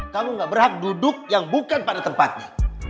kamu gak berhak duduk yang bukan pada tempatnya